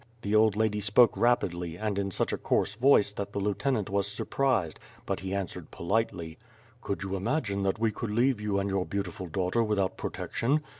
The old lady spoke rapidly, and in such a coarse voice that the lieutenant was surprised; but he answered politely: "Could you imagine that we could leave you and your beau tiful daughter without protection?